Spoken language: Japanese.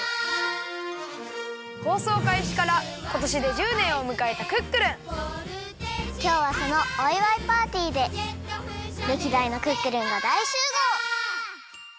放送かいしからことしで１０年をむかえた「クックルン」きょうはそのおいわいパーティーで歴代のクックルンが大集合！